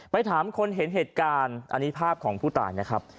ถามคนเห็นเหตุการณ์อันนี้ภาพของผู้ตายนะครับ